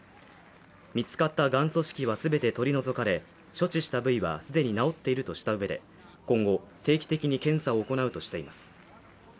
見つかったがん組織は全て取り除かれ、処置した部位は既に治っているとした上で、今後定期的に検査を行うとしています。